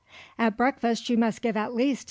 At breakfast you must give at least 6d.